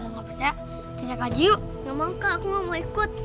gak mau kak aku gak mau ikut